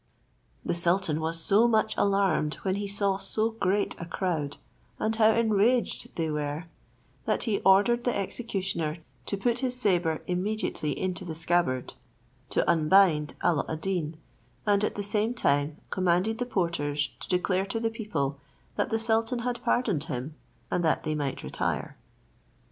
The sultan was so much alarmed when he saw so great a crowd, and how enraged they were, that he ordered the executioner to put his sabre ;immediately into the scabbard, to unbind Alla ad Deen, and at the same time commanded the porters to declare to the people that the sultan had pardoned him, and that they might retire.